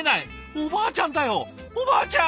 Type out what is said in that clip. おばあちゃんだよおばあちゃん。